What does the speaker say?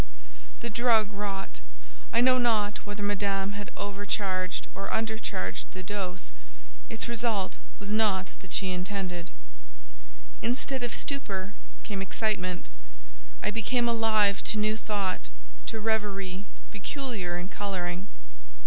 The drug wrought. I know not whether Madame had overcharged or under charged the dose; its result was not that she intended. Instead of stupor, came excitement. I became alive to new thought—to reverie peculiar in colouring.